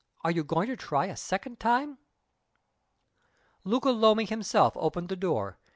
Are you going to try a second time?" Luca Lomi himself opened the door.